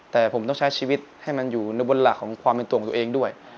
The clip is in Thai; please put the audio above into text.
แต่ผมต้องใช้ชีวิตให้มันอยู่ในบนหลักของความเป็นตัวของตัวเองด้วย